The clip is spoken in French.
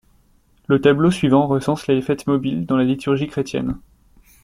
Le tableau suivant recense les fêtes mobiles dans la liturgie chrétienne.